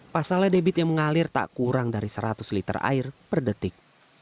pasalnya debit yang mengalir tak kurang dari seratus liter air per detik